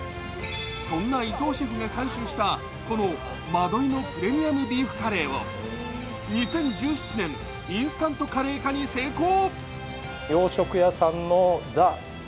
そんな伊藤シェフが監修した円居のプレミアムビーフカレーを２０１７年、インスタントカレー化に成功。